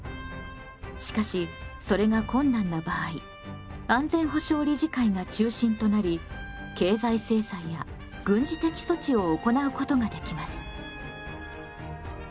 しかしそれが困難な場合安全保障理事会が中心となり経済制裁や軍事的措置を行うことができます。